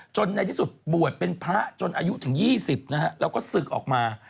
จนในที่สุดบวชเป็นพระจนอายุถึง๒๐เราก็สึกออกมา